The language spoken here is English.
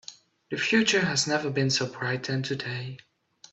The future has never been so bright than today.